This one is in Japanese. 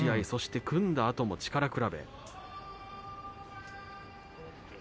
そして、組んだあとの力比べ。